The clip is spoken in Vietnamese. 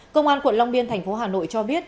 công an quận long biên tp hà nội cho biết